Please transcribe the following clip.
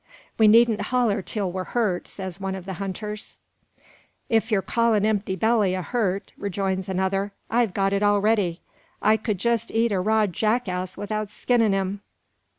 "We needn't holler till we're hurt," says one of the hunters. "If yer call an empty belly a hurt," rejoins another, "I've got it already. I kud jest eat a raw jackass 'ithout skinnin' him."